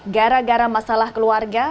gara gara masalah keluarga